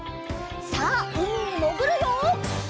さあうみにもぐるよ！